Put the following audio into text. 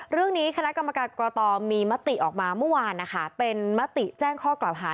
เรื่องนี้คณะกรรมการกตมีมติออกมาเมื่อวานนะคะเป็นมติแจ้งข้อกล่าวหา